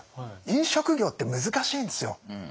飲食業って難しいんですよ。